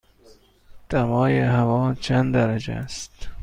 دمای هوا چند درجه است؟